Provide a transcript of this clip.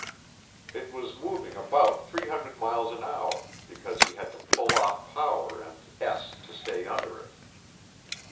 It was moving about 300 miles an hour because he had to pull off power and "S" to stay under it.